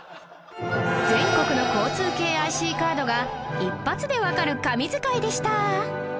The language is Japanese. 全国の交通系 ＩＣ カードが一発でわかる神図解でした